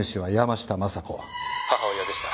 「母親でした」